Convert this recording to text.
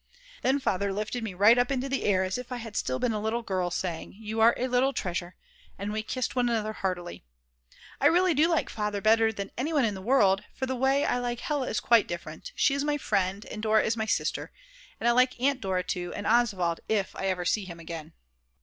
Then Father lifted me right up into the air as if I had still been a little girl, saying: "You are a little treasure," and we kissed one another heartily. I really do like Father better than anyone in the world; for the way I like Hella is quite different, she is my friend, and Dora is my sister; and I like Aunt Dora too, and Oswald if I ever see him again.